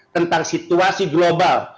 tentang situasi global